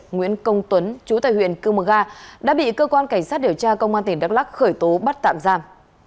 nguyễn công tuấn chú tại huyện cư mờ ga đã bị cơ quan cảnh sát điều tra công an tỉnh đắk lắc khởi tố bắt tạm giam